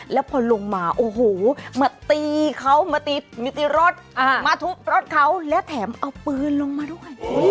แล้วพอลงมาโอ้โหมาตีเขามาตีรถมาทุบรถเขาและแถมเอาปืนลงมาด้วย